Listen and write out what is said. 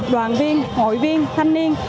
đoàn viên hội viên thanh niên